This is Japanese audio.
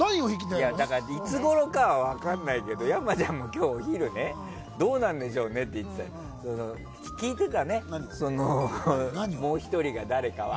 いつごろかは分からないけど山ちゃんと今日お昼、どうなんでしょうねって言ってたけど聞いてたね、もう１人が誰かは。